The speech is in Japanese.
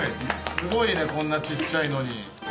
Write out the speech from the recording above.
すごいねこんなちっちゃいのに。